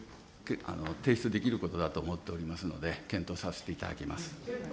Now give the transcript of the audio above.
提出できることだと思っておりますので、検討させていただきます。